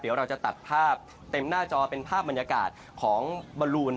เดี๋ยวเราจะตัดภาพเต็มหน้าจอเป็นภาพบรรยากาศของบอลลูน